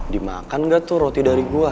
dimakan nggak tuh roti dari gua